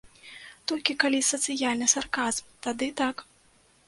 Толькі калі сацыяльны сарказм, тады так!